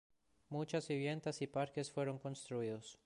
Muchas viviendas y parques fueron construidos.